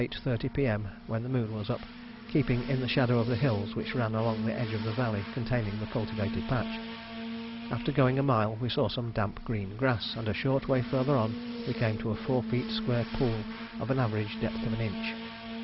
30 P.M., when the moon was up, keeping in the shadow of the hills which ran along the edge of the valley containing the cultivated patch. After going a mile we saw some damp green grass, and a short way farther on we came to a four feet square pool of an average depth of an inch.